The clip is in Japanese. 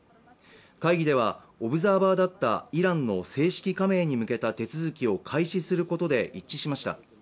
会議ではオブザーバーだったイランの正式加盟に向けた手続きを開始することで一致しました。